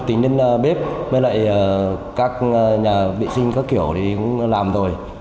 tính đến bếp với lại các nhà vệ sinh các kiểu thì cũng làm rồi